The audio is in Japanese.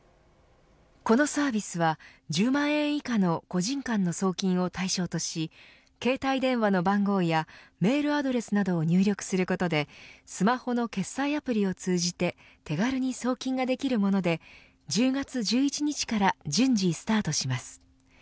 このサービスは１０万円以下の個人間の送金を対象とし携帯電話の番号やメールアドレスなどを入力することでスマホの決済アプリを通じて手軽に送金ができるもので１０月１１日から順次スタートします。